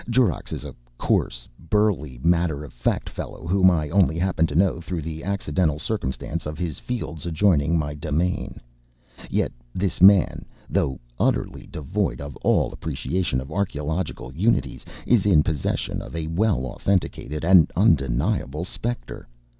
Jorrocks is a coarse, burly, matter of fact fellow whom I only happen to know through the accidental circumstance of his fields adjoining my demesne. Yet this man, though utterly devoid of all appreciation of archæological unities, is in possession of a well authenticated and undeniable spectre.